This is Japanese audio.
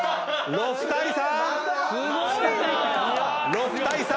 ６対３！